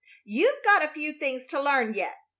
You've got a few things to learn yet.